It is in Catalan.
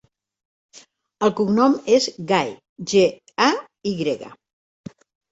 El cognom és Gay: ge, a, i grega.